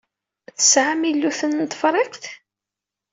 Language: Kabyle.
Tesɛam iluten n Tefriqt?